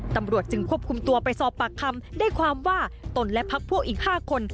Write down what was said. ตำรวจจึงควบคุมตัวไปสอบปากคำได้ความว่าตนและพักพวกอีก๕คน